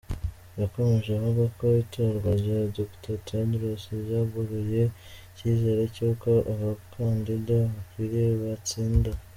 Yakomeje avuga ko itorwa rya Dr Tedros ryagaruye icyizere cy’uko abakandida bakwiriye batsinda.